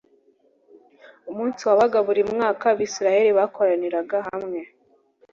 Umunsi wabaga buri mwaka Abisirayeli bakoraniraga hamwe